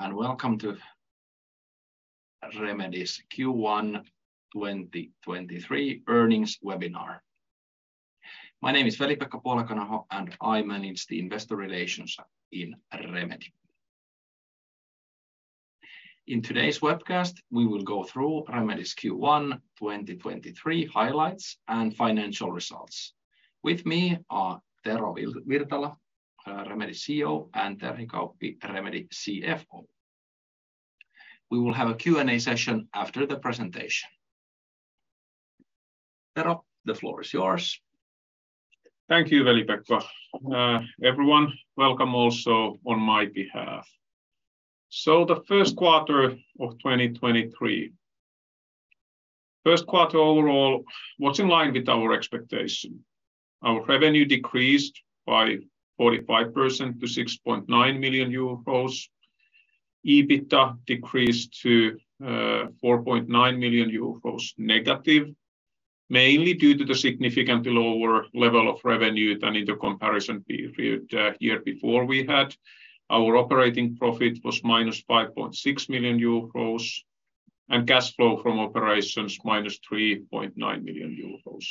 Welcome to Remedy's Q1 2023 earnings webinar. My name is Veli-Pekka Puolakanaho and I manage the investor relations in Remedy. In today's webcast, we will go through Remedy's Q1 2023 highlights and financial results. With me are Tero Virtala, Remedy CEO and Terhi Kauppi, Remedy CFO. We will have a Q&A session after the presentation. Tero, the floor is yours. Thank you, Veli-Pekka. Everyone, welcome also on my behalf. The Q1 of 2023. Q1 overall was in line with our expectation. Our revenue decreased by 45% to 6.9 million euros. EBITDA decreased to 4.9 million euros negative, mainly due to the significantly lower level of revenue than in the comparison period year before we had. Our operating profit was minus 5.6 million euros and cash flow from operations minus 3.9 million euros.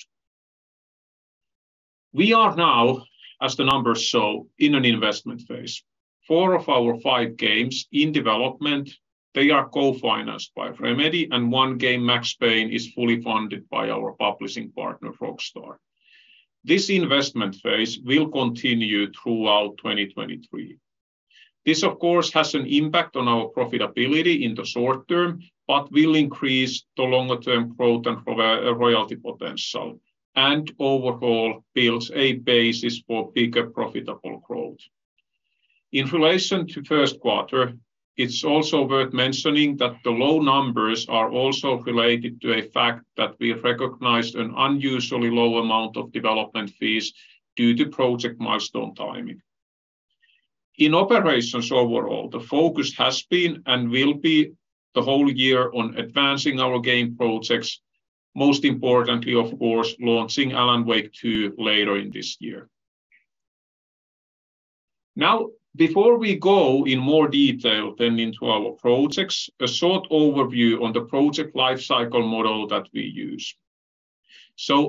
We are now, as the numbers show, in an investment phase. Four of our five games in development, they are co-financed by Remedy and one game, Max Payne, is fully funded by our publishing partner, Rockstar. This investment phase will continue throughout 2023. This, of course, has an impact on our profitability in the short term but will increase the longer term growth and royalty potential and overall builds a basis for bigger profitable growth. In relation to Q1, it's also worth mentioning that the low numbers are also related to a fact that we recognized an unusually low amount of development fees due to project milestone timing. In operations overall, the focus has been and will be the whole year on advancing our game projects, most importantly, of course, launching Alan Wake 2 later in this year. Before we go in more detail then into our projects, a short overview on the project life cycle model that we use.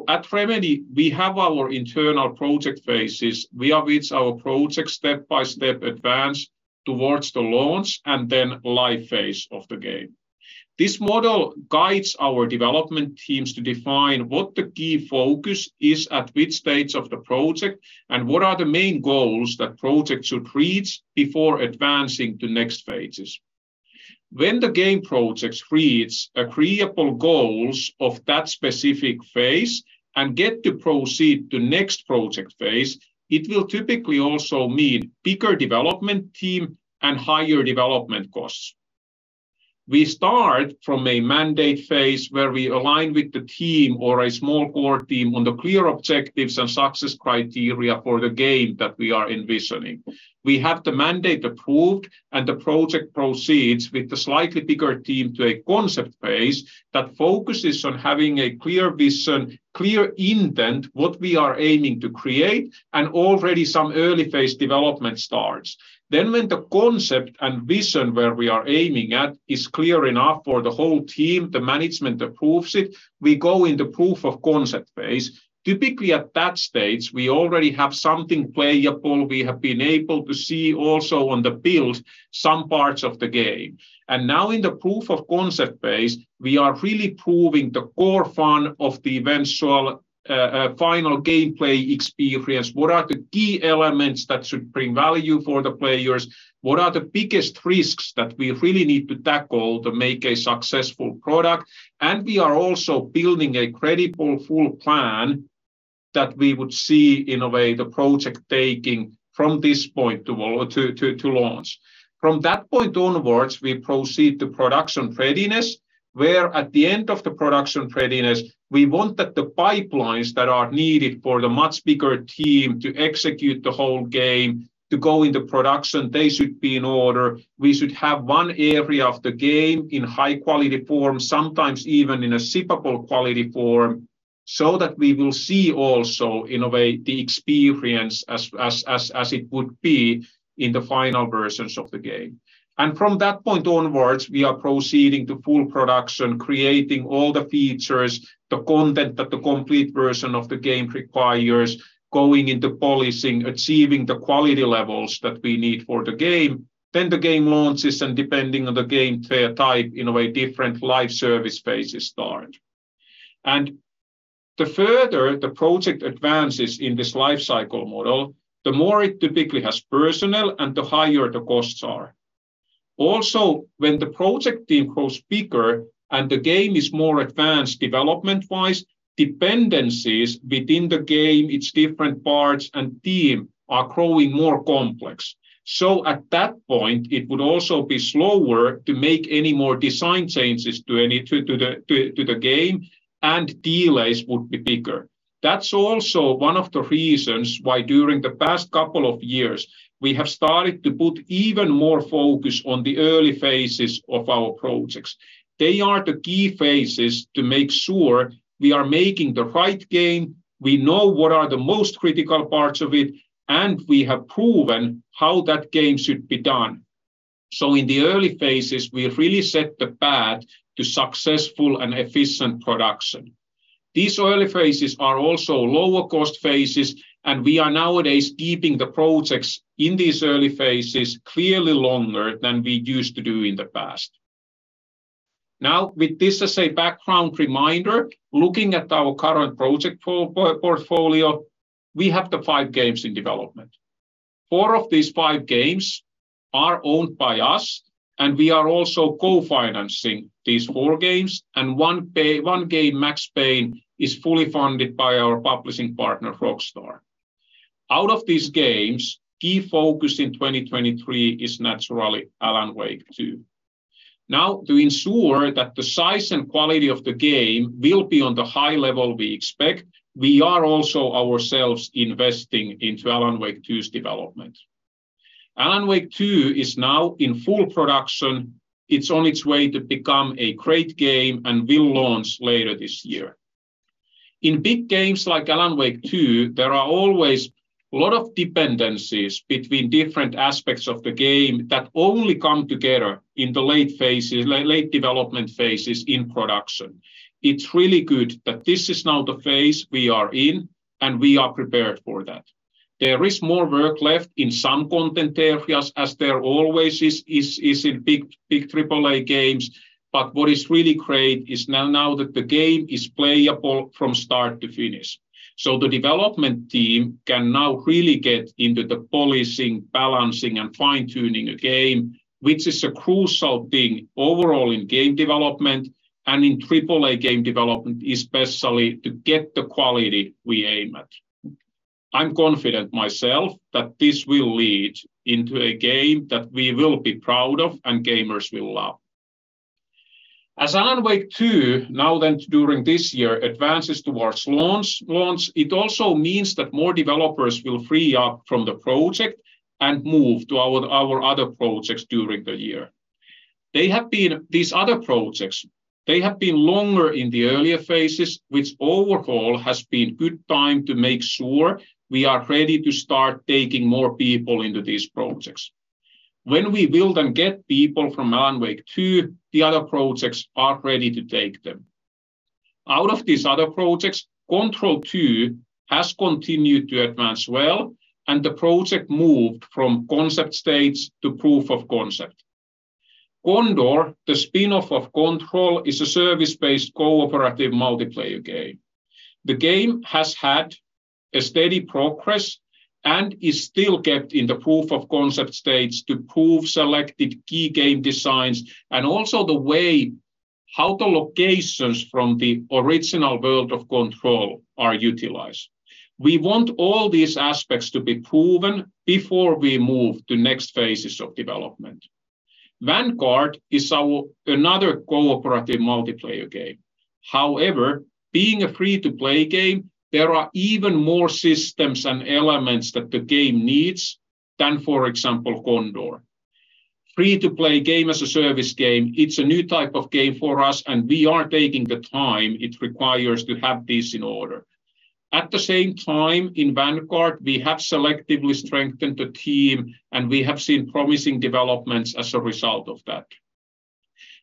At Remedy, we have our internal project phases via which our projects step by step advance towards the launch and then live phase of the game. This model guides our development teams to define what the key focus is at which stage of the project and what are the main goals that project should reach before advancing to next phases. When the game project creates agreeable goals of that specific phase and get to proceed to next project phase, it will typically also mean bigger development team and higher development costs. We start from a mandate phase where we align with the team or a small core team on the clear objectives and success criteria for the game that we are envisioning. We have the mandate approved. The project proceeds with the slightly bigger team to a concept phase that focuses on having a clear vision, clear intent, what we are aiming to create and already some early phase development starts. When the concept and vision where we are aiming at is clear enough for the whole team, the management approves it, we go in the proof of concept phase. Typically at that stage, we already have something playable. We have been able to see also on the build some parts of the game. Now in the proof of concept phase, we are really proving the core fun of the eventual final gameplay experience. What are the key elements that should bring value for the players? What are the biggest risks that we really need to tackle to make a successful product? We are also building a credible full plan that we would see in a way the project taking from this point to launch. From that point onwards, we proceed to production readiness, where at the end of the production readiness, we want that the pipelines that are needed for the much bigger team to execute the whole game to go into production they should be in order. We should have one area of the game in high quality form, sometimes even in a shippable quality form, so that we will see also in a way the experience as it would be in the final versions of the game. From that point onwards, we are proceeding to full production, creating all the features, the content that the complete version of the game requires, going into polishing, achieving the quality levels that we need for the game. The game launches and depending on the gameplay type, in a way different live service phases start. The further the project advances in this life cycle model, the more it typically has personnel and the higher the costs are. When the project team grows bigger and the game is more advanced development-wise, dependencies within the game, its different parts and team are growing more complex. At that point, it would also be slower to make any more design changes to the game and delays would be bigger. That's also one of the reasons why during the past couple of years we have started to put even more focus on the early phases of our projects. They are the key phases to make sure we are making the right game, we know what are the most critical parts of it and we have proven how that game should be done. In the early phases, we really set the path to successful and efficient production. These early phases are also lower cost phases and we are nowadays keeping the projects in these early phases clearly longer than we used to do in the past. With this as a background reminder, looking at our current project portfolio, we have the five games in development. Four of these five games are owned by us and we are also co-financing these four games and one game, Max Payne, is fully funded by our publishing partner, Rockstar. Out of these games, key focus in 2023 is naturally Alan Wake 2. To ensure that the size and quality of the game will be on the high level we expect, we are also ourselves investing into Alan Wake 2's development. Alan Wake 2 is now in full production. It's on its way to become a great game and will launch later this year. In big games like Alan Wake 2, there are always a lot of dependencies between different aspects of the game that only come together in the late development phases in production. It's really good that this is now the phase we are in and we are prepared for that. There is more work left in some content areas as there always is in big AAA games. What is really great is now that the game is playable from start to finish, the development team can now really get into the polishing, balancing and fine-tuning a game, which is a crucial thing overall in game development and in AAA game development especially to get the quality we aim at. I'm confident myself that this will lead into a game that we will be proud of and gamers will love. Alan Wake 2 now during this year advances towards launch, it also means that more developers will free up from the project and move to our other projects during the year. These other projects, they have been longer in the earlier phases, which overall has been good time to make sure we are ready to start taking more people into these projects. We will then get people from Alan Wake 2, the other projects are ready to take them. Out of these other projects, Control 2 has continued to advance well and the project moved from concept stage to proof of concept. Condor, the spin-off of Control, is a service-based cooperative multiplayer game. The game has had a steady progress and is still kept in the proof of concept stage to prove selected key game designs and also the way how the locations from the original world of Control are utilized. We want all these aspects to be proven before we move to next phases of development. Vanguard is our another cooperative multiplayer game. Being a free-to-play game, there are even more systems and elements that the game needs than, for example, Condor. Free-to-play game as a service game, it's a new type of game for us and we are taking the time it requires to have this in order. At the same time, in Vanguard, we have selectively strengthened the team and we have seen promising developments as a result of that.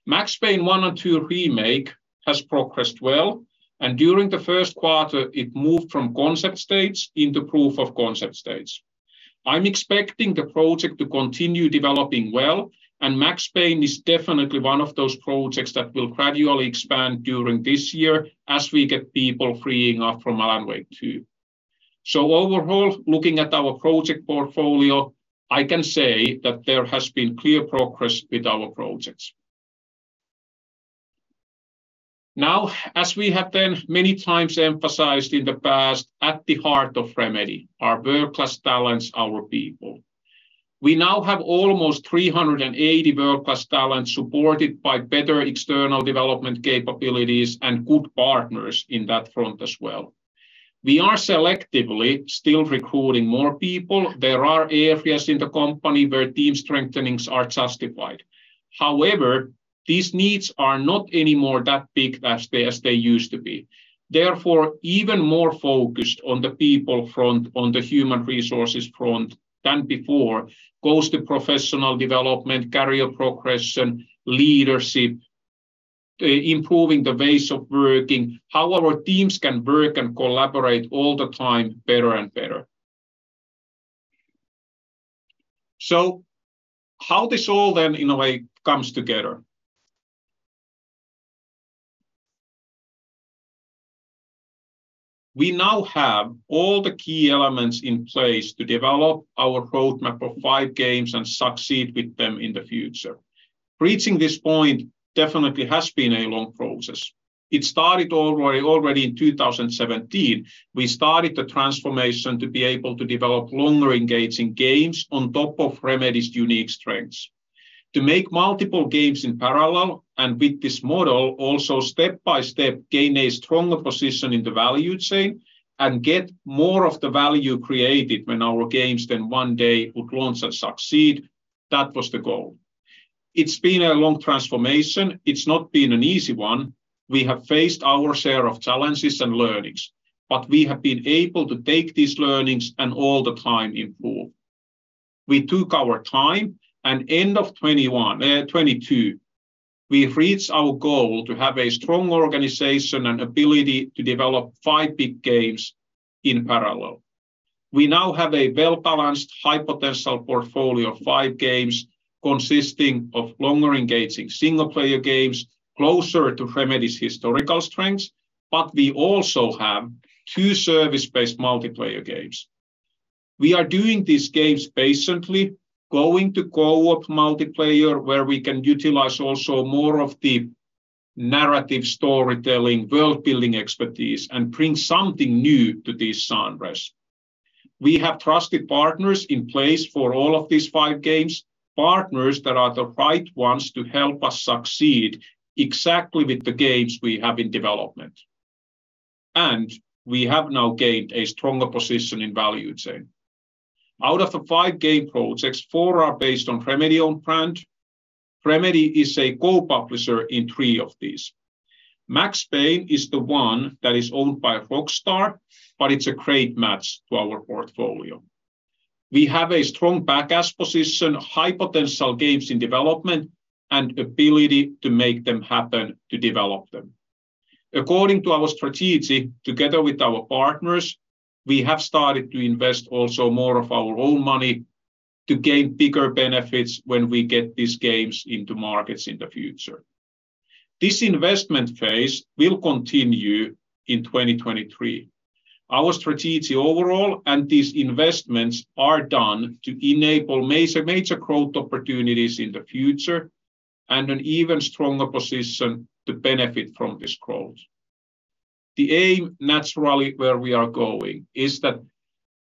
Max Payne 1 & 2 Remake has progressed well and during the Q1, it moved from concept phase into proof of concept. I'm expecting the project to continue developing well and Max Payne is definitely one of those projects that will gradually expand during this year as we get people freeing up from Alan Wake 2. Overall, looking at our project portfolio, I can say that there has been clear progress with our projects. As we have then many times emphasized in the past, at the heart of Remedy are world-class talents, our people. We now have almost 380 world-class talent supported by better external development capabilities and good partners in that front as well. We are selectively still recruiting more people. There are areas in the company where team strengthenings are justified. These needs are not anymore that big as they used to be. Even more focused on the people front, on the human resources front than before goes to professional development, career progression, leadership, improving the ways of working, how our teams can work and collaborate all the time better and better. How this all in a way comes together? We now have all the key elements in place to develop our roadmap of 5 games and succeed with them in the future. Reaching this point definitely has been a long process. It started already in 2017. We started the transformation to be able to develop longer engaging games on top of Remedy's unique strengths. To make multiple games in parallel and with this model also step by step gain a stronger position in the value chain and get more of the value created when our games then one day would launch and succeed, that was the goal. It's been a long transformation. It's not been an easy one. We have faced our share of challenges and learnings, but we have been able to take these learnings and all the time improve. We took our time and end of 2022, we've reached our goal to have a strong organization and ability to develop five big games in parallel. We now have a well-balanced high potential portfolio of 5 games consisting of longer engaging single player games closer to Remedy's historical strengths, but we also have 2 service-based multiplayer games. We are doing these games patiently, going to co-op multiplayer, where we can utilize also more of the narrative storytelling, world-building expertise and bring something new to these genres. We have trusted partners in place for all of these 5 games, partners that are the right ones to help us succeed exactly with the games we have in development. We have now gained a stronger position in value chain. Out of the 5 game projects, 4 are based on Remedy-owned brand. Remedy is a co-publisher in 3 of these. Max Payne is the one that is owned by Rockstar, but it's a great match to our portfolio. We have a strong back as position, high potential games in development and ability to make them happen to develop them. According to our strategy, together with our partners, we have started to invest also more of our own money to gain bigger benefits when we get these games into markets in the future. This investment phase will continue in 2023. Our strategy overall and these investments are done to enable major growth opportunities in the future and an even stronger position to benefit from this growth. The aim, naturally, where we are going is that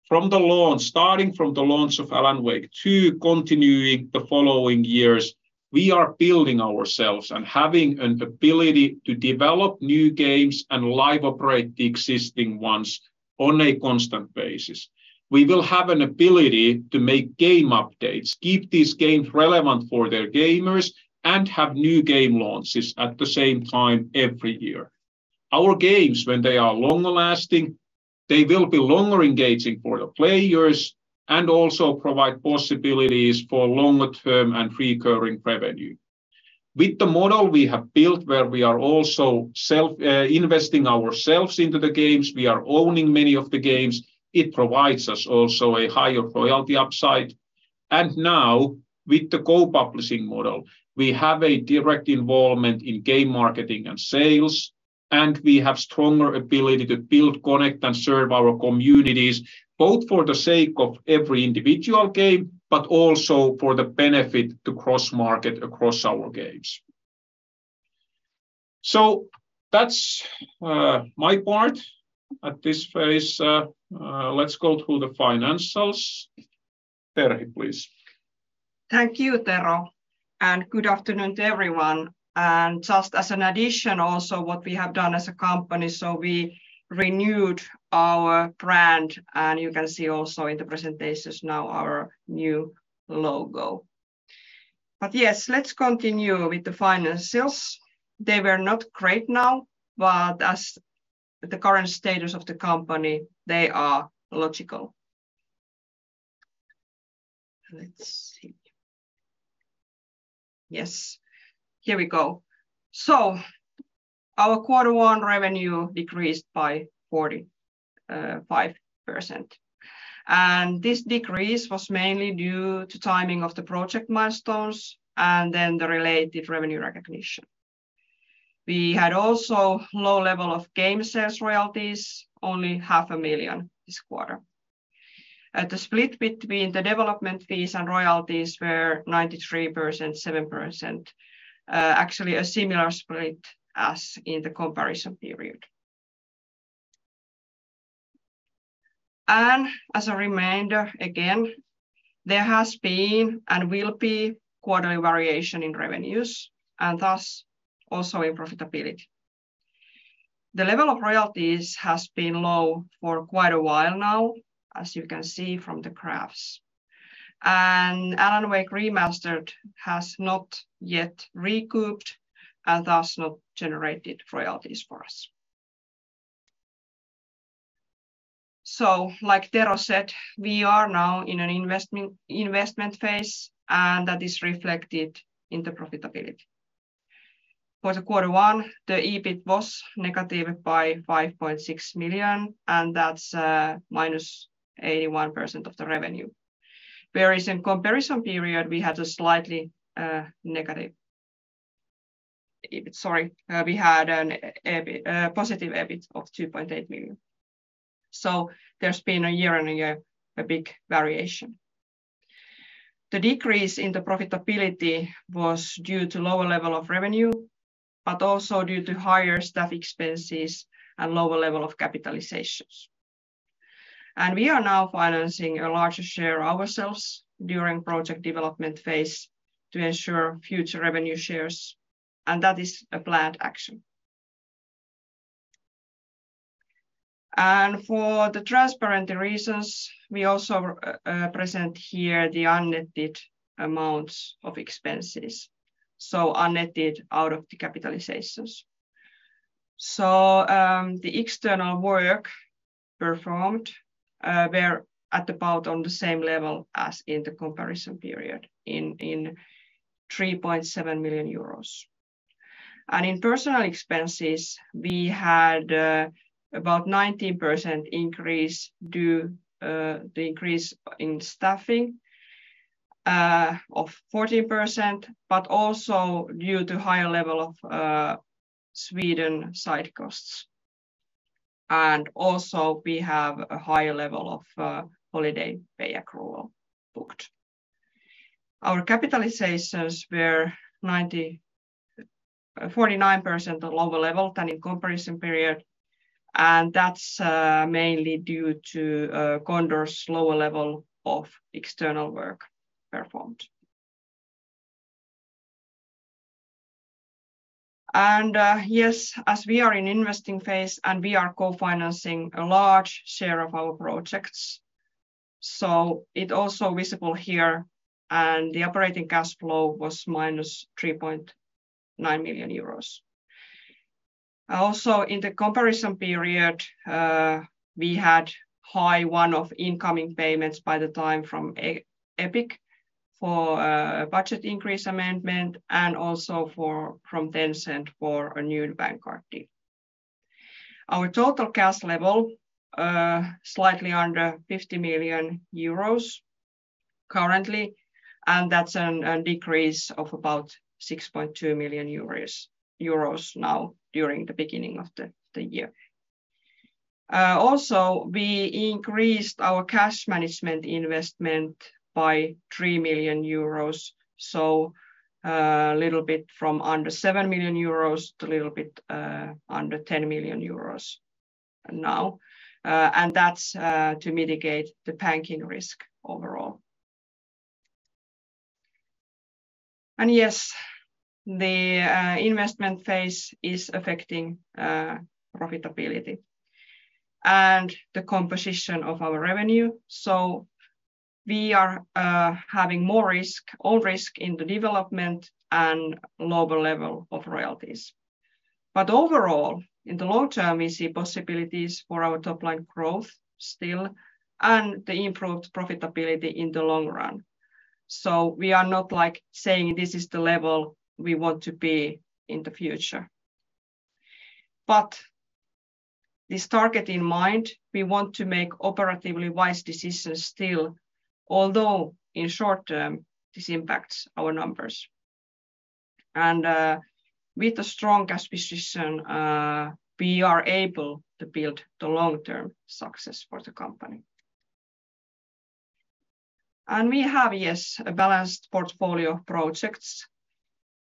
starting from the launch of Alan Wake 2 continuing the following years, we are building ourselves and having an ability to develop new games and live operate the existing ones on a constant basis. We will have an ability to make game updates, keep these games relevant for their gamers and have new game launches at the same time every year. Our games, when they are long-lasting, they will be longer engaging for the players and also provide possibilities for longer term and recurring revenue. With the model we have built where we are also self investing ourselves into the games, we are owning many of the games, it provides us also a higher royalty upside. Now, with the co-publishing model, we have a direct involvement in game marketing and sales and we have stronger ability to build, connect and serve our communities, both for the sake of every individual game, but also for the benefit to cross-market across our games. That's my part at this phase. Let's go to the financials. Terhi, please. Thank you, Tero and good afternoon to everyone. Just as an addition also what we have done as a company, we renewed our brand and you can see also in the presentations now our new logo. Yes, let's continue with the financials. They were not great now, but as the current status of the company, they are logical. Let's see. Yes, here we go. Our quarter one revenue decreased by 45%. This decrease was mainly due to timing of the project milestones and then the related revenue recognition. We had also low level of game sales royalties, only half a million EUR this quarter. The split between the development fees and royalties were 93%, 7%. actually a similar split as in the comparison period. As a reminder again, there has been and will be quarterly variation in revenues and thus also in profitability. The level of royalties has been low for quite a while now, as you can see from the graphs. Alan Wake Remastered has not yet recouped and thus not generated royalties for us. Like Tero said, we are now in an investment phase and that is reflected in the profitability. For the Q1, the EBIT was negative by 5.6 million and that's -81% of the revenue. Whereas in comparison period, we had a slightly negative EBIT. Sorry, we had a positive EBIT of 2.8 million. There's been a year-on-year a big variation. The decrease in the profitability was due to lower level of revenue, also due to higher staff expenses and lower level of capitalizations. We are now financing a larger share ourselves during project development phase to ensure future revenue shares. That is a planned action. For the transparent reasons, we also present here the unnetted amounts of expenses, unnetted out of the capitalizations. The external work performed were at about on the same level as in the comparison period in 3.7 million euros. In personal expenses, we had about 19% increase due the increase in staffing of 14%, also due to higher level of Sweden site costs. Also we have a higher level of holiday pay accrual booked. Our capitalizations were 90... 49% lower level than in comparison period and that's mainly due to Condor's lower level of external work performed. Yes, as we are in investing phase and we are co-financing a large share of our projects, so it also visible here and the operating cash flow was minus 3.9 million euros. Also in the comparison period, we had high one-off incoming payments by the time from Epic for budget increase amendment and also from Tencent for a new Vanguard team. Our total cash level, slightly under 50 million euros currently and that's a decrease of about 6.2 million euros now during the beginning of the year. Also we increased our cash management investment by 3 million euros, so a little bit from under 7 million euros to a little bit under 10 million euros now. That's to mitigate the banking risk overall. Yes, the investment phase is affecting profitability and the composition of our revenue. We are having more risk, all risk in the development and lower level of royalties. Overall, in the long term, we see possibilities for our top line growth still and the improved profitability in the long run. We are not like saying this is the level we want to be in the future. This target in mind, we want to make operatively wise decisions still, although in short term this impacts our numbers. With the strong cash position, we are able to build the long-term success for the company. We have, yes, a balanced portfolio of projects.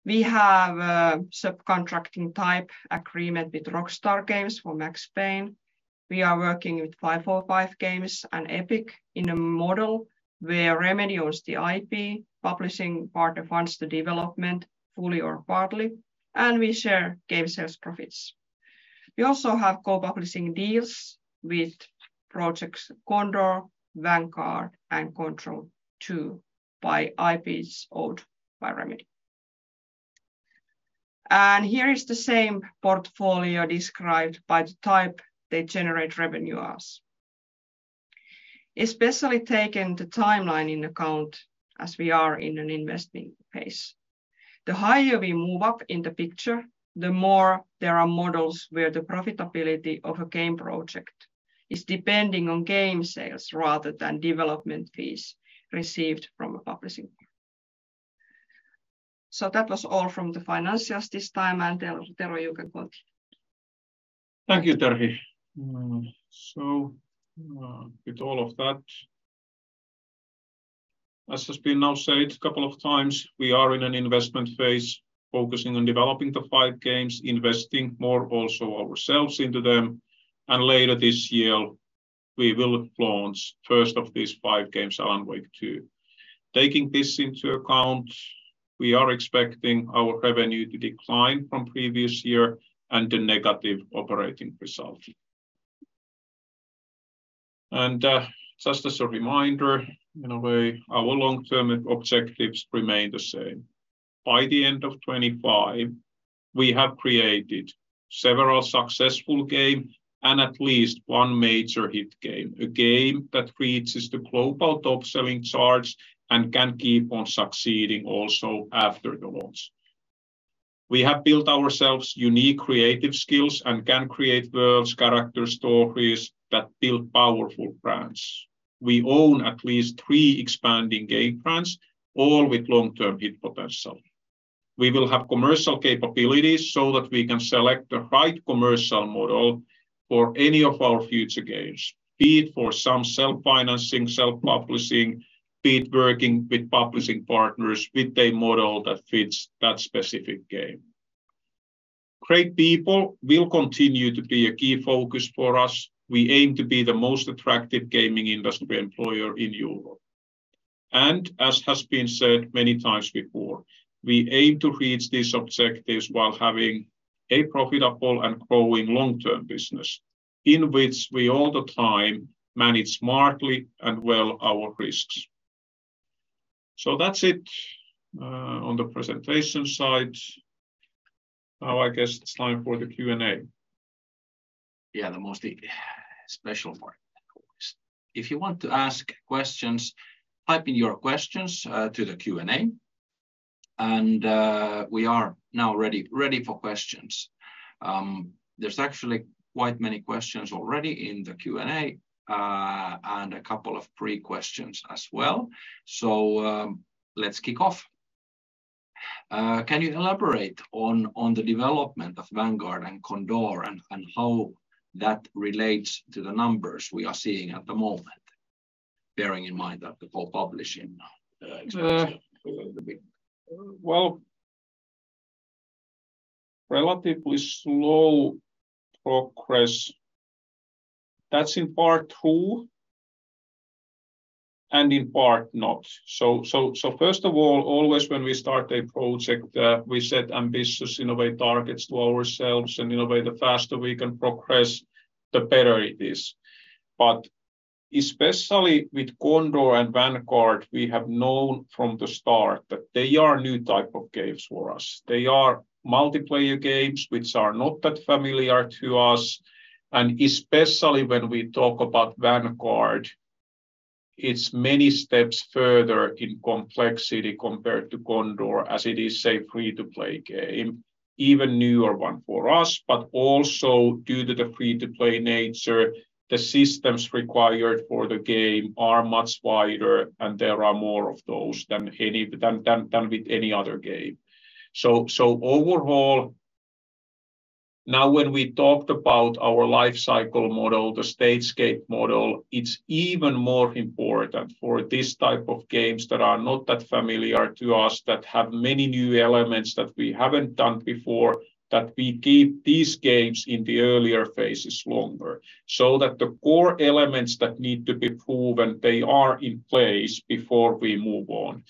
We have a subcontracting type agreement with Rockstar Games for Max Payne. We are working with 505 Games and Epic in a model where Remedy owns the IP, publishing part funds the development fully or partly and we share game sales profits. We also have co-publishing deals with projects Condor, Vanguard and Control 2 by IPs owned by Remedy. Here is the same portfolio described by the type they generate revenue as. Especially taking the timeline in account as we are in an investing phase. The higher we move up in the picture, the more there are models where the profitability of a game project is depending on game sales rather than development fees received from a publishing party. That was all from the financials this time and Tero, you can continue. Thank you, Terhi. With all of that, as has been now said a couple of times, we are in an investment phase, focusing on developing the five games, investing more also ourselves into them. Later this year, we will launch first of these five games Alan Wake 2. Taking this into account, we are expecting our revenue to decline from previous year and a negative operating result. Just as a reminder, our long-term objectives remain the same. By the end of 2025, we have created several successful game and at least one major hit game, a game that reaches the global top-selling charts and can keep on succeeding also after the launch. We have built ourselves unique creative skills and can create worlds, characters, stories that build powerful brands. We own at least three expanding game brands, all with long-term hit potential. We will have commercial capabilities so that we can select the right commercial model for any of our future games, be it for some self-financing, self-publishing, be it working with publishing partners with a model that fits that specific game. Great people will continue to be a key focus for us. We aim to be the most attractive gaming industry employer in Europe. As has been said many times before, we aim to reach these objectives while having a profitable and growing long-term business in which we all the time manage smartly and well our risks. That's it on the presentation side. I guess it's time for the Q&A. Yeah. The most special part, of course. If you want to ask questions, type in your questions, to the q&a and, we are now ready for questions. There's actually quite many questions already in the q&a and a couple of pre-questions as well, let's kick off. Can you elaborate on the development of Vanguard and Condor and how that relates to the numbers we are seeing at the moment, bearing in mind that the full publishing, expansion a little bit? Well, relatively slow progress. That's in part true and in part not. First of all, always when we start a project, we set ambitious innovate targets to ourselves and in a way, the faster we can progress, the better it is. Especially with Condor and Vanguard, we have known from the start that they are new type of games for us. They are multiplayer games which are not that familiar to us and especially when we talk about Vanguard, it's many steps further in complexity compared to Condor, as it is a free-to-play game, even newer one for us, but also due to the free-to-play nature, the systems required for the game are much wider and there are more of those than with any other game. Overall, now when we talked about our life cycle model, the stage gate model, it's even more important for this type of games that are not that familiar to us, that have many new elements that we haven't done before, that we keep these games in the earlier phases longer, so that the core elements that need to be proven, they are in place before we move on.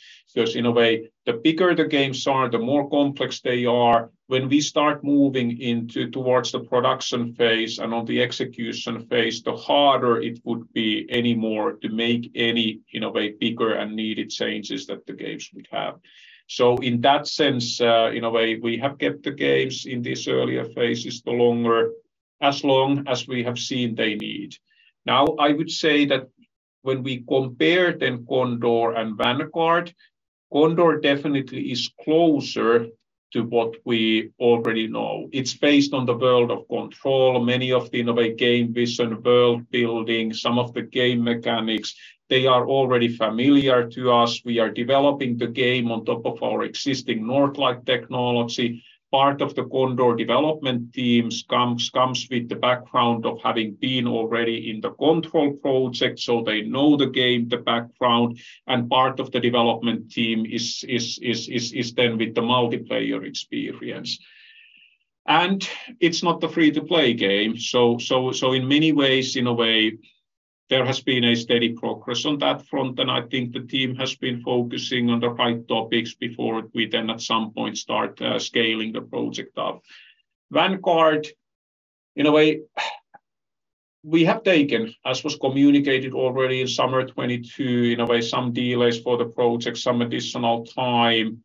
In a way, the bigger the games are, the more complex they are, when we start moving into towards the production phase and on the execution phase, the harder it would be any more to make any, in a way, bigger and needed changes that the games would have. In that sense, in a way, we have kept the games in these earlier phases the longer, as long as we have seen they need. I would say that when we compare then Condor and Vanguard, Condor definitely is closer to what we already know. It's based on the world of Control. Many of the innovate game vision, world building, some of the game mechanics, they are already familiar to us. We are developing the game on top of our existing Northlight technology. Part of the Condor development team comes with the background of having been already in the Control project, so they know the game, the background and part of the development team is then with the multiplayer experience. It's not a free-to-play game, so in many ways, in a way, there has been a steady progress on that front and I think the team has been focusing on the right topics before we then at some point start scaling the project up. Vanguard, in a way, we have taken, as was communicated already in summer 2022, in a way, some delays for the project, some additional time.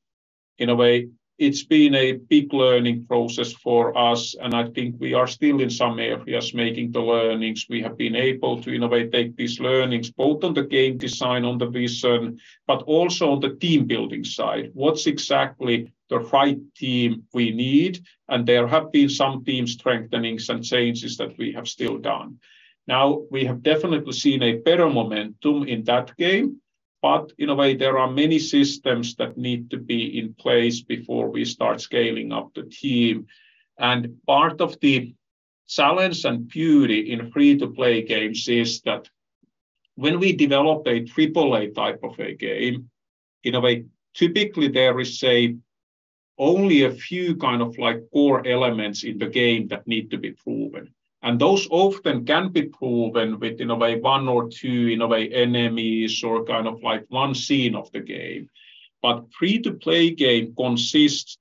In a way, it's been a big learning process for us and I think we are still in some areas making the learnings. We have been able to, in a way, take these learnings, both on the game design, on the vision, but also on the team building side. What's exactly the right team we need? There have been some team strengthenings and changes that we have still done. Now, we have definitely seen a better momentum in that game, but in a way, there are many systems that need to be in place before we start scaling up the team. Part of the challenge and beauty in free-to-play games is that when we develop a AAA type of a game, in a way, typically there is say only a few kind of like core elements in the game that need to be proven and those often can be proven with, in a way, one or two, in a way, enemies or kind of like one scene of the game. Free-to-play game consists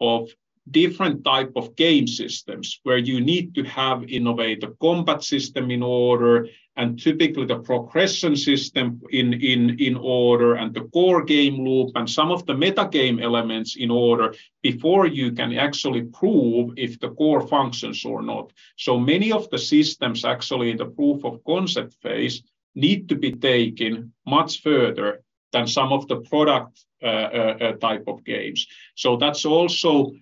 of different type of game systems, where you need to have, in a way, the combat system in order and typically the progression system in order and the core game loop and some of the meta game elements in order before you can actually prove if the core functions or not. Many of the systems actually in the proof of concept phase need to be taken much further than some of the product type of games. That's also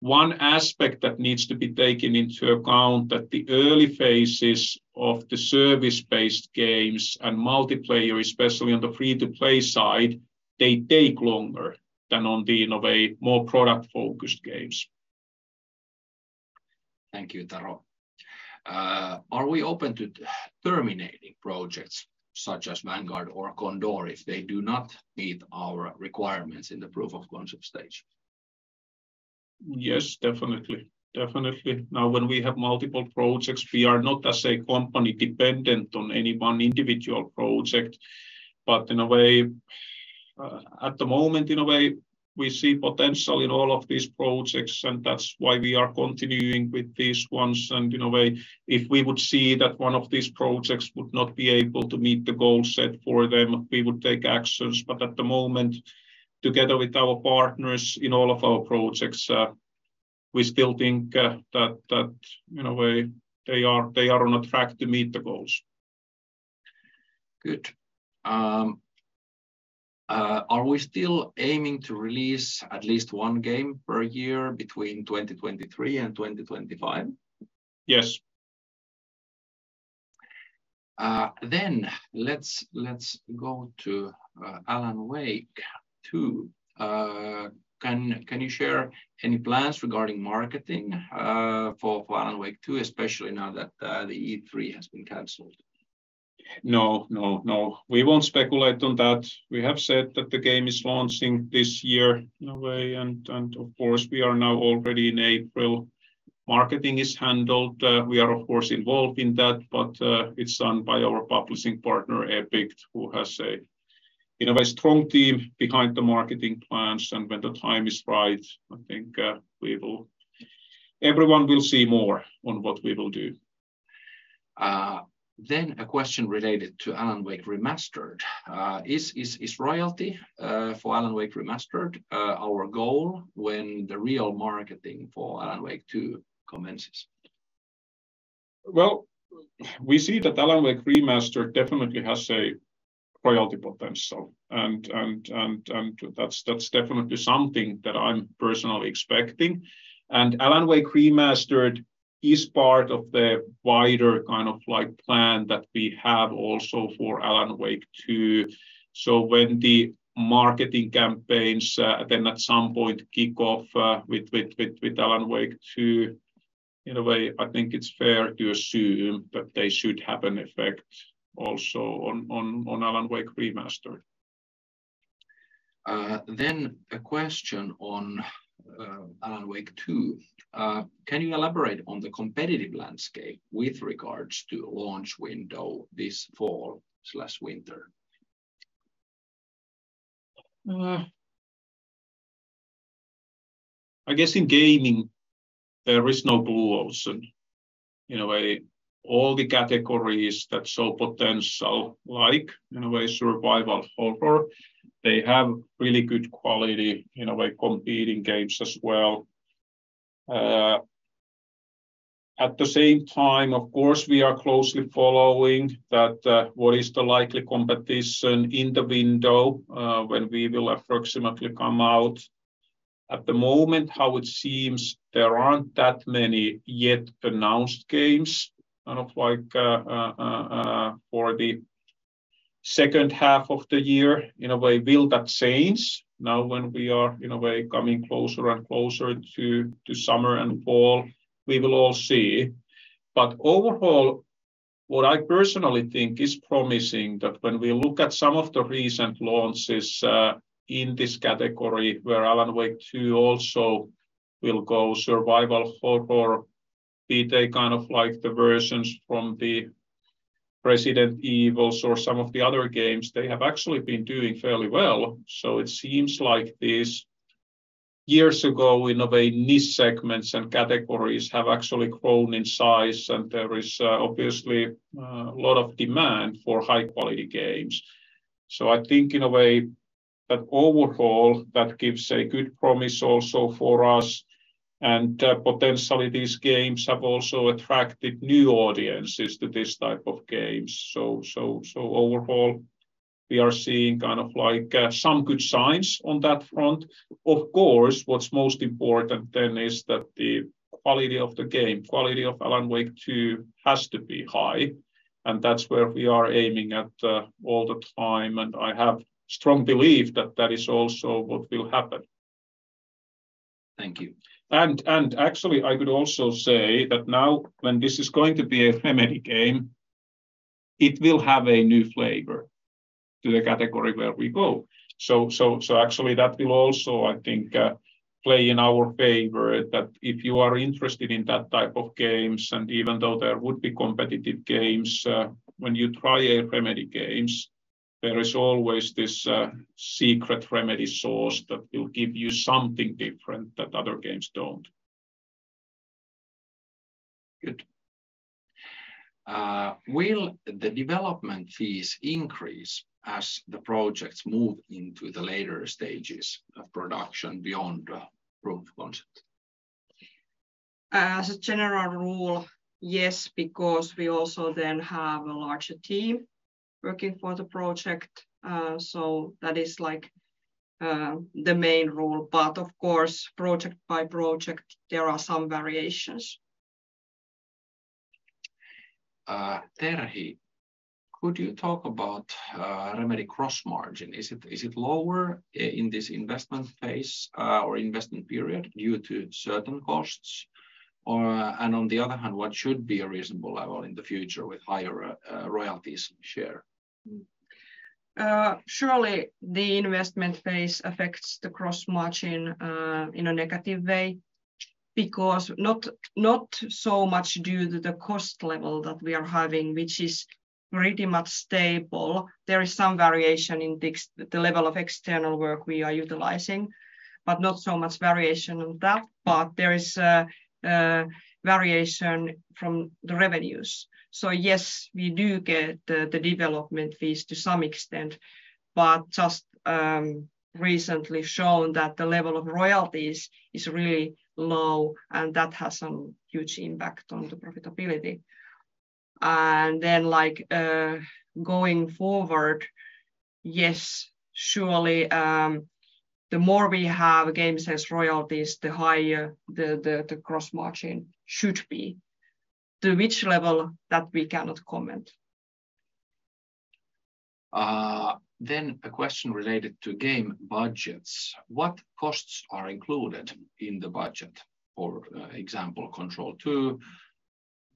one aspect that needs to be taken into account, that the early phases of the service-based games and multiplayer, especially on the free-to-play side, they take longer than on the, in a way, more product-focused games. Thank you, Tero. Are we open to terminating projects such as Vanguard or Condor if they do not meet our requirements in the proof of concept stage? Yes, definitely. Definitely. Now, when we have multiple projects, we are not as a company dependent on any one individual project. In a way, at the moment, in a way, we see potential in all of these projects and that's why we are continuing with these ones. In a way, if we would see that one of these projects would not be able to meet the goals set for them, we would take actions. At the moment, together with our partners in all of our projects, we still think that, in a way, they are on track to meet the goals. Good. Are we still aiming to release at least one game per year between 2023 and 2025? Yes. Let's go to Alan Wake 2. Can you share any plans regarding marketing for Alan Wake 2, especially now that the E3 has been canceled? No, no. We won't speculate on that. We have said that the game is launching this year, in a way and of course, we are now already in April. Marketing is handled. We are, of course, involved in that, but it's done by our publishing partner, Epic, who has a, in a way, strong team behind the marketing plans. When the time is right, I think, we will everyone will see more on what we will do. A question related to Alan Wake Remastered. Is royalty for Alan Wake Remastered, our goal when the real marketing for Alan Wake 2 commences? We see that Alan Wake Remastered definitely has a royalty potential and that's definitely something that I'm personally expecting. Alan Wake Remastered is part of the wider kind of, like, plan that we have also for Alan Wake 2. When the marketing campaigns then at some point kick off with Alan Wake 2, in a way, I think it's fair to assume that they should have an effect also on Alan Wake Remastered. A question on, Alan Wake 2. Can you elaborate on the competitive landscape with regards to launch window this fall/winter? there is no blue ocean. In a way, all the categories that show potential, like, in a way, survival horror, they have really good quality, in a way, competing games as well. At the same time, of course, we are closely following that, what is the likely competition in the window, when we will approximately come out. At the moment, how it seems, there aren't that many yet announced games, kind of like, for the second half of the year. In a way, will that change now when we are, in a way, coming closer and closer to summer and fall? We will all see. Overall, what I personally think is promising that when we look at some of the recent launches in this category where Alan Wake 2 also will go, survival horror, be they kind of like the versions from the Resident Evil or some of the other games, they have actually been doing fairly well. It seems like these years ago, in a way, niche segments and categories have actually grown in size and there is obviously a lot of demand for high-quality games. I think in a way that overall, that gives a good promise also for us and potentially these games have also attracted new audiences to this type of games. Overall, we are seeing kind of like some good signs on that front. Of course, what's most important then is that the quality of the game, quality of Alan Wake 2 has to be high and that's where we are aiming at, all the time. I have strong belief that that is also what will happen. Thank you. Actually, I could also say that now, when this is going to be a Remedy game, it will have a new flavor to the category where we go. Actually, that will also, I think, play in our favor, that if you are interested in that type of games and even though there would be competitive games, when you try Remedy games, there is always this secret Remedy sauce that will give you something different that other games don't. Good. Will the development fees increase as the projects move into the later stages of production beyond proof of concept? As a general rule, yes, because we also then have a larger team working for the project. That is, like, the main rule. Of course, project by project, there are some variations. Terhi, could you talk about Remedy gross margin? Is it lower in this investment phase or investment period due to certain costs? On the other hand, what should be a reasonable level in the future with higher royalties share? Surely the investment phase affects the gross margin in a negative way because not so much due to the cost level that we are having, which is pretty much stable. There is some variation in the level of external work we are utilizing, but not so much variation on that, but there is a variation from the revenues. Yes, we do get the development fees to some extent, but just recently shown that the level of royalties is really low and that has some huge impact on the profitability. Going forward, yes, surely, the more we have game sales royalties, the higher the gross margin should be. To which level, that we cannot comment. A question related to game budgets. What costs are included in the budget? For example, Control 2,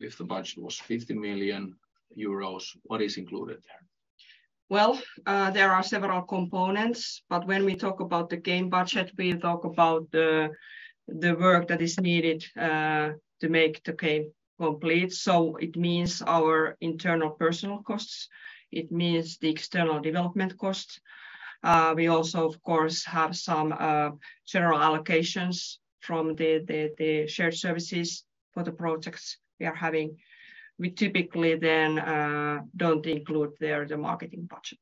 if the budget was 50 million euros, what is included there? There are several components, but when we talk about the game budget, we talk about the work that is needed to make the game complete. It means our internal personal costs. It means the external development costs. We also of course, have some general allocations from the shared services for the projects we are having. We typically don't include there the marketing budget.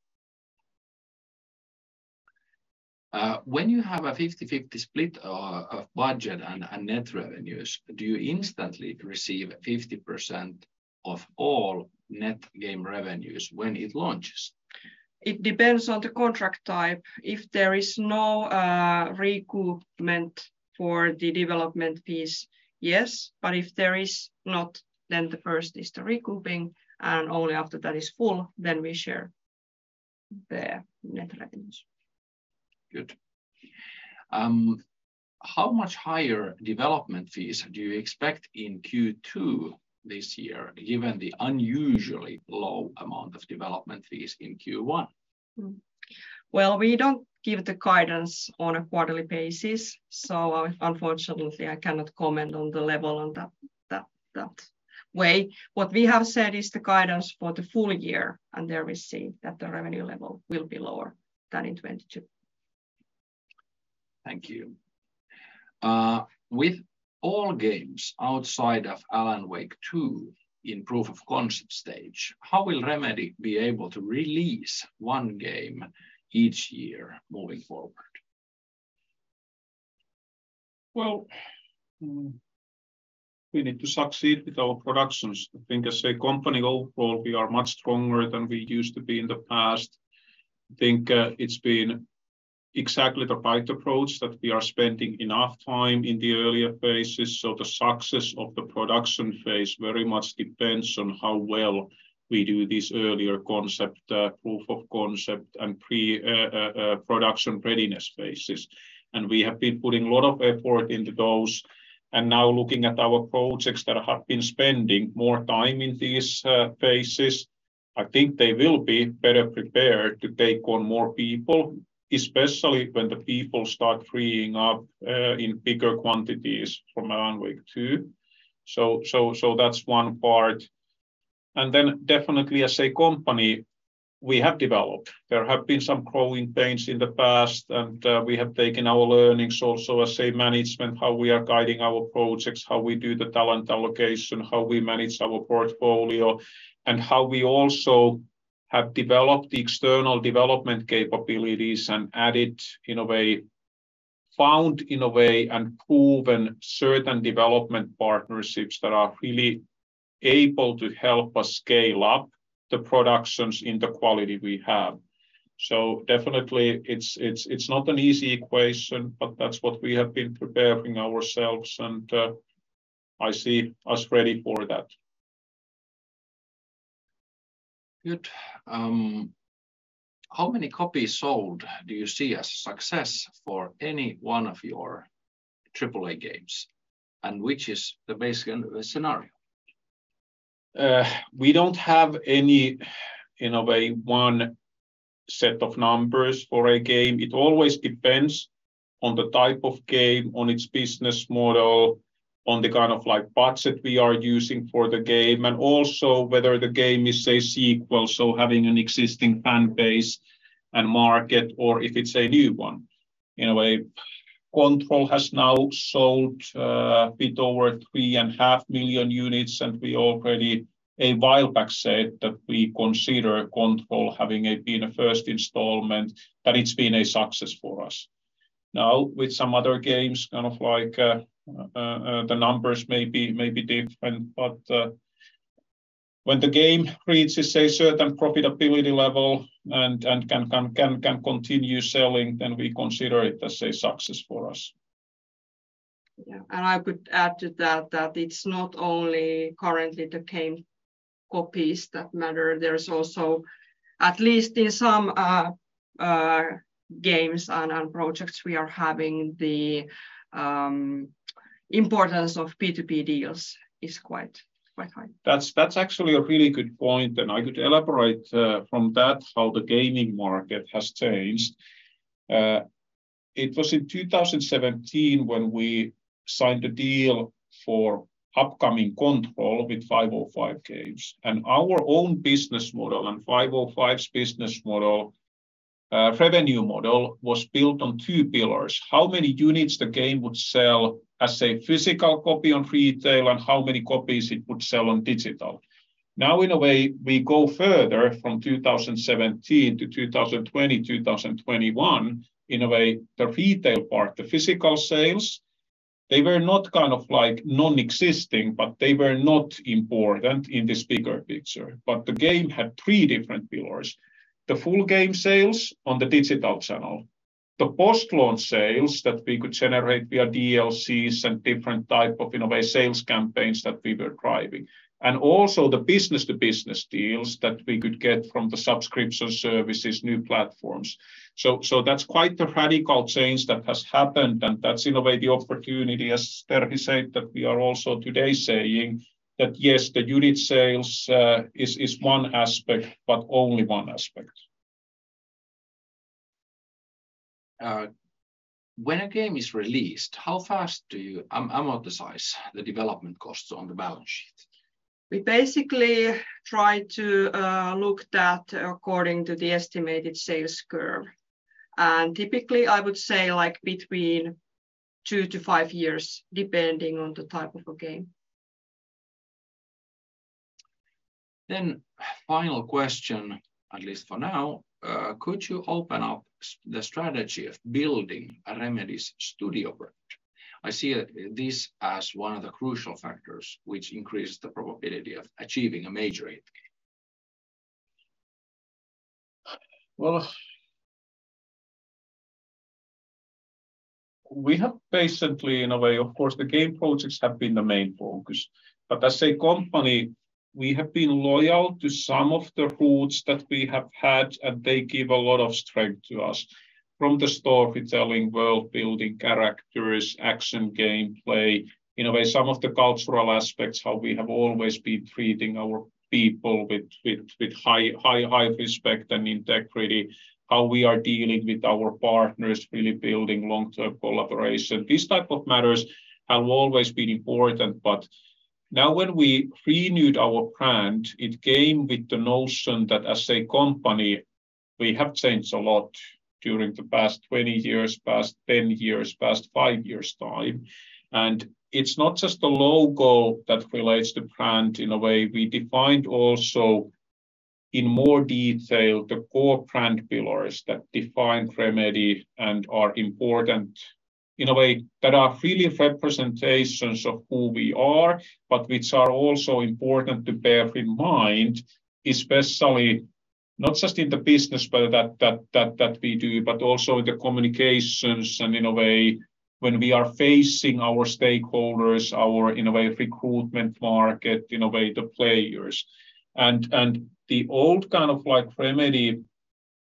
When you have a 50/50 split of budget and net revenues, do you instantly receive 50% of all net game revenues when it launches? It depends on the contract type. If there is no recoupment for the development fees, yes. If there is not, then the first is the recouping and only after that is full, then we share the net revenues. Good. How much higher development fees do you expect in Q2 this year, given the unusually low amount of development fees in Q1? Well, we don't give the guidance on a quarterly basis, so, unfortunately I cannot comment on the level on that way. What we have said is the guidance for the full year and there we see that the revenue level will be lower than in 2022. Thank you. With all games outside of Alan Wake 2 in proof of concept stage, how will Remedy be able to release one game each year moving forward? Well, we need to succeed with our productions. I think as a company overall, we are much stronger than we used to be in the past. I think it's been exactly the right approach that we are spending enough time in the earlier phases, so the success of the production phase very much depends on how well we do this earlier concept, proof of concept and pre, production readiness phases. We have been putting a lot of effort into those and now looking at our projects that have been spending more time in these phases, I think they will be better prepared to take on more people, especially when the people start freeing up in bigger quantities from Alan Wake 2. That's one part. Then definitely as a company, we have developed. There have been some growing pains in the past and, we have taken our learnings also as, say, management, how we are guiding our projects, how we do the talent allocation, how we manage our portfolio and how we also have developed the external development capabilities and added in a way, found in a way and proven certain development partnerships that are really able to help us scale up the productions in the quality we have. Definitely it's not an easy equation, but that's what we have been preparing ourselves and, I see us ready for that. Good. How many copies sold do you see as success for any one of your AAA games and which is the base scenario? We don't have any, in a way, one set of numbers for a game. It always depends on the type of game, on its business model, on the kind of like budget we are using for the game and also whether the game is a sequel, so having an existing fan base and market, or if it's a new one. In a way, Control has now sold 3.5 million units and we already a while back said that we consider Control having been a first installment, that it's been a success for us. Now, with some other games, kind of like, the numbers may be different, but when the game reaches a certain profitability level and can continue selling, then we consider it as a success for us. Yeah. I could add to that it's not only currently the game copies that matter. There's also, at least in some games and projects we are having the importance of B2B deals is quite high. That's actually a really good point and I could elaborate from that how the gaming market has changed. It was in 2017 when we signed the deal for upcoming Control with 505 games and our own business model and 505's business model, revenue model, was built on two pillars: how many units the game would sell as a physical copy on retail and how many copies it would sell on digital. Now, in a way, we go further from 2017 to 2020, 2021, in a way, the retail part, the physical sales, they were not kind of, like, non-existing, but they were not important in this bigger picture. The game had three different pillars. The full game sales on the digital channel, the post-launch sales that we could generate via DLCs and different type of, in a way, sales campaigns that we were driving and also the business-to-business deals that we could get from the subscription services, new platforms. That's quite the radical change that has happened and that's, in a way, the opportunity, as Terhi said, that we are also today saying that, yes, the unit sales is one aspect, but only one aspect. When a game is released, how fast do you amortize the development costs on the balance sheet? We basically try to look that according to the estimated sales curve. Typically, I would say, like, between 2 to 5 years, depending on the type of a game. Final question, at least for now. Could you open up the strategy of building a Remedy's studio brand? I see this as one of the crucial factors which increases the probability of achieving a major hit game. Well, We have basically, in a way, of course, the game projects have been the main focus. As a company, we have been loyal to some of the roots that we have had and they give a lot of strength to us. From the storytelling, world-building, characters, action, gameplay, in a way, some of the cultural aspects, how we have always been treating our people with high respect and integrity, how we are dealing with our partners, really building long-term collaboration. These type of matters have always been important, now when we renewed our brand, it came with the notion that, as a company, we have changed a lot during the past 20 years, past 10 years, past 5 years' time, it's not just the logo that relates to brand. In a way, we defined also in more detail the core brand pillars that define Remedy and are important, in a way, that are really representations of who we are, but which are also important to bear in mind, especially not just in the business where that we do, but also the communications and in a way, when we are facing our stakeholders, our, in a way, recruitment market, in a way, the players. The old kind of, like, Remedy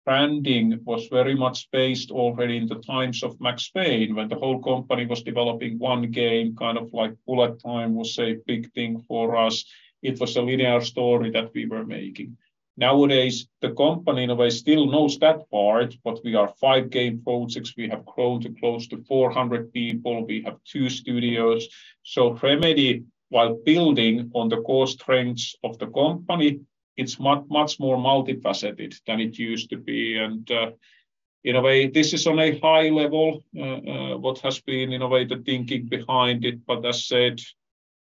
branding was very much based already in the times of Max Payne, when the whole company was developing 1 game, kind of like bullet time was a big thing for us. It was a linear story that we were making. Nowadays, the company, in a way, still knows that part, but we are 5 game projects. We have grown to close to 400 people. We have two studios. Remedy, while building on the core strengths of the company, it's much more multifaceted than it used to be and, in a way, this is on a high level, what has been, in a way, the thinking behind it. As said,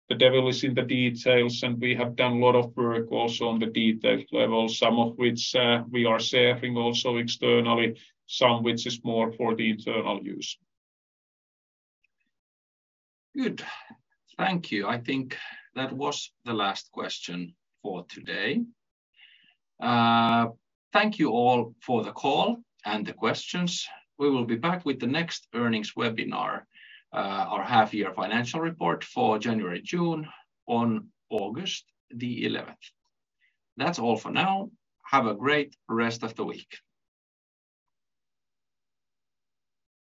the devil is in the details and we have done a lot of work also on the detailed level, some of which, we are sharing also externally, some which is more for the internal use. Good. Thank you. I think that was the last question for today. Thank you all for the call and the questions. We will be back with the next earnings webinar, our half-year financial report for January-June, on August the 11th. That's all for now. Have a great rest of the week.